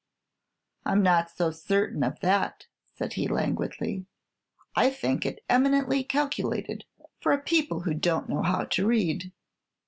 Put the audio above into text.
"I'm not so certain of that," said he, languidly. "I think it is eminently calculated for a people who don't know how to read."